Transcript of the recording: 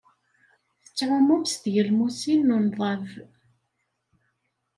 Tettɛumum s tgelmusin n unḍab.